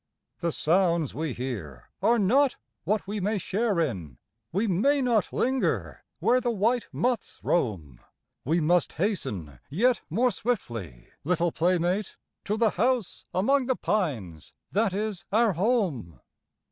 The sounds we hear are not what we may share in, We may not linger where the white moths roam. We must hasten yet more swiftly, little playmate. To the house among the pines that is our home.